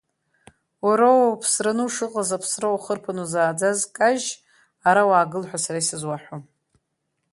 Уара уԥсраны ушыҟаз аԥсра уахырԥаны узааӡаз кажь, ара уаагыл ҳәа сара исызуаҳәом.